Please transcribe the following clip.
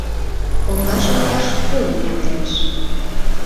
Коҥгаш олташ пуым ямдылыш.